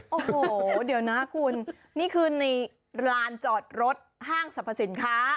โอ้โหเดี๋ยวนะคุณนี่คือในร้านจอดรถห้างสรรพสินค้า